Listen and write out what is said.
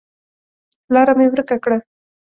لاره مې ورکه کړه